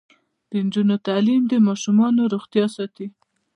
د نجونو تعلیم د ماشومانو روغتیا ساتي.